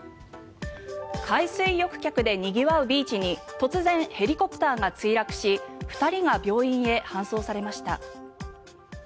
海水浴客でにぎわうビーチに突然、ヘリコプターが墜落し２人が病院へ搬送されました。